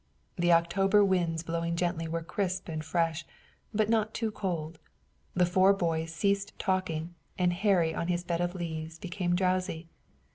The October winds blowing gently were crisp and fresh, but not too cold. The four boys ceased talking and Harry on his bed of leaves became drowsy.